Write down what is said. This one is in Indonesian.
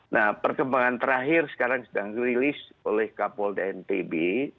nah perkembangan terakhir sekarang sedang rilis oleh kapol dnpb